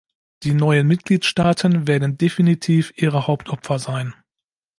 Die neuen Mitgliedstaaten werden definitiv ihre Hauptopfer sein.